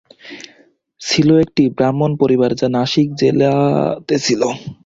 ছিল একটি ব্রাহ্মণ পরিবার যা নাশিক জেলা তে ছিল।